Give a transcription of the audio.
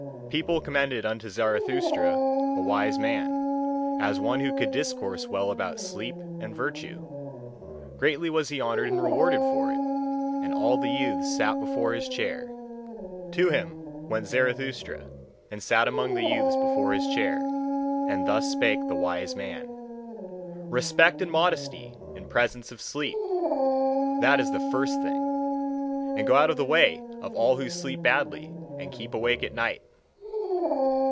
People commended unto Zarathustra a wise man, as one who could discourse well about sleep and virtue: greatly was he honoured and rewarded for it, and all the youths sat before his chair. To him went Zarathustra, and sat among the youths before his chair. And thus spake the wise man: Respect and modesty in presence of sleep! That is the first thing! And to go out of the way of all who sleep badly and keep awake at night!